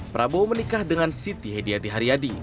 prabowo menikah dengan siti hediati haryadi